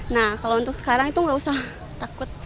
nah kalau untuk sekarang itu nggak usah takut